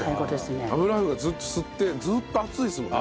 油麩がずっと吸ってずーっと熱いですもんね。